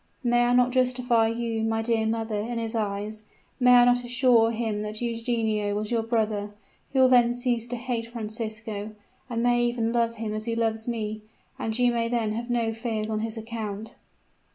May I not justify you, my dear mother, in his eyes? May I not assure him that Eugenio was your brother? He will then cease to hate Francisco, and may even love him as he loves me; and you may then have no fears on his account."